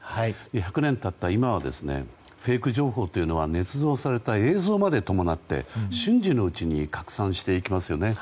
１００年経った今はフェイク情報はねつ造された映像まで伴って瞬時のうちに拡散していきますよね。